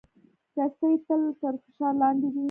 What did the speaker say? رسۍ تل تر فشار لاندې وي.